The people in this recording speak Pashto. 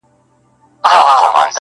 چي ورور و نه لري